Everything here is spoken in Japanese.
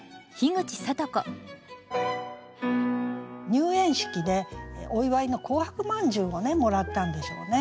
入園式でお祝いの紅白まんじゅうをもらったんでしょうね。